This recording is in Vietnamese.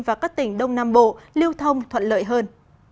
và các tỉnh đông nam bộ lưu thông thuận lợi hơn